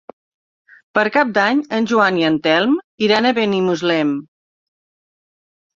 Per Cap d'Any en Joan i en Telm iran a Benimuslem.